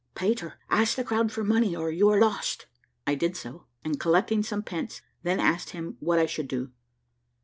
"Peter, ask the crowd for money, or you are lost." I did so, and collecting some pence, then asked him what I should do.